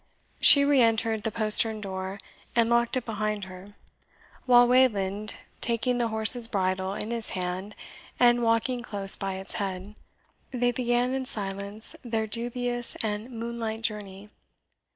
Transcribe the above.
She re entered the postern door, and locked it behind her; while, Wayland taking the horse's bridle in his hand, and walking close by its head, they began in silence their dubious and moonlight journey.